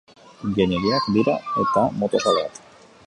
Ingeniariak dira, eta motozaleak.